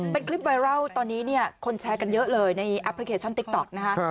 เป็นคลิปไวรัลตอนนี้เนี่ยคนแชร์กันเยอะเลยในแอปพลิเคชันติ๊กต๊อกนะคะ